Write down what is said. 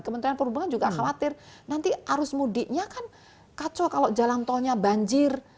kementerian perhubungan juga khawatir nanti arus mudiknya kan kacau kalau jalan tolnya banjir